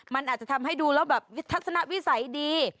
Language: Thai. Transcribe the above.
มันอาจจะทำให้ดูแล้วแบบทัศนวิสัยดี